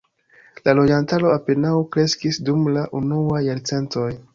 La loĝantaro apenaŭ kreskis dum la unuaj jarcentoj.